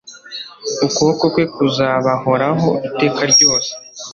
ukuboko kwe kuzabahoraho iteka ryose